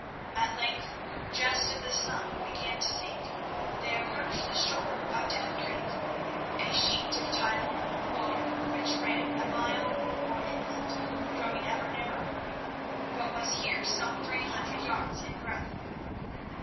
At length, just as the sun began to sink, they approached the shore of Death Creek—a sheet of tidal water which ran a mile or more inland, growing ever narrower, but was here some three hundred yards in breadth.